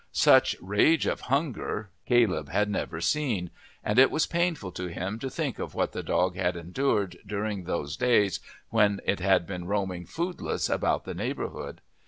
Such rage of hunger Caleb had never seen, and it was painful to him to think of what the dog had endured during those days when it had been roaming foodless about the neighbourhood.